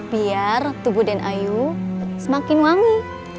biar tubuh dan ayu semakin wangi